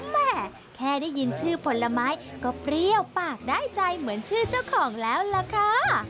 แม่แค่ได้ยินชื่อผลไม้ก็เปรี้ยวปากได้ใจเหมือนชื่อเจ้าของแล้วล่ะค่ะ